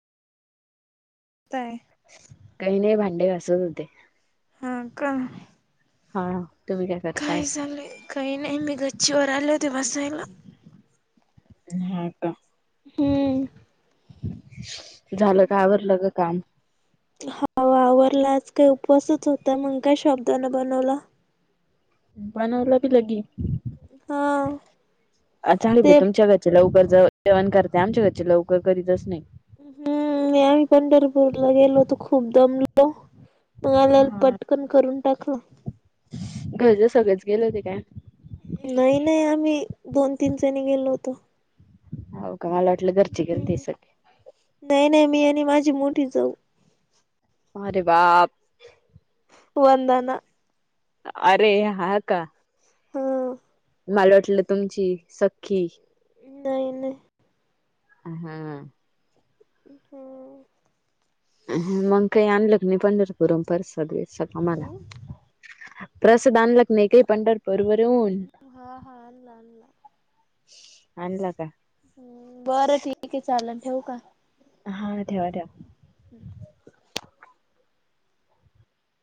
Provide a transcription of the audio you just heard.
ताय काही नाही भांडे घासत होते. हा का. हा. तुम्ही करताय? काय चाललंय, काही नाही मी गच्चीवर आले होते बसायला. हा का. हम्म. झालं का, आवरलं का काम. हो आवरलं आज काही उपवासच होता, मगं काय साबुदाणा बनवला. बनवाला बी लगी, हा अचाणी बाई ते तुमच्यागत. लवकर जेवण करते, आमच्या घरचे लवकर करीतच नाही. हम्म आम्ही पंढरपूरला गेलो तर खूप दमलो. मल्या हा. पटकन करून टाकवं. घरचे सगळेच गेलं होते काय. नाही नाही आम्ही दोन तीन जणी गेलो होतो. हो मला वाटलं घरचे गेलतेस का. नाही नाही मी आणि माझी मोठी जाऊ. अरे बाप. वंदना. अरे हा का. ह. मला वाटलं तुमची सखी. नाही नाही. हम्म. हम्. मग काही आणलं का नाही, पंढरपूर हून प्रसाद बिसाद आम्हाला. प्रसाद आणला की नाही, काही पंढरपूर वरून. हा हा आणला आणला. आणला कां. हम् बरं ठीक ये, चाललं ठेवू कां. हा ठेवा ठेवा. हम.